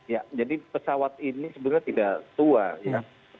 ya jadi pesawat ini sebenarnya tidak tua ya